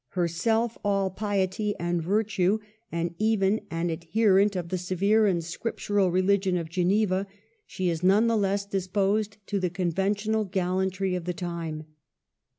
Her self all piety and virtue, and even an adherent of the severe and scriptural religion of Geneva, she is none the less disposed to the conventional gallantry of the time.